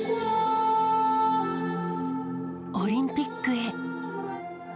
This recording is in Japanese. オリンピックへ。